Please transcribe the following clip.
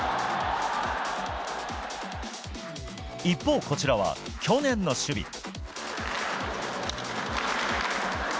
一方、こちらは去年の守備。